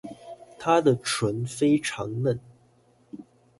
她的唇非常嫩